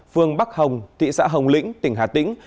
phương bắc hồng thị xã hồng lĩnh tỉnh hà tĩnh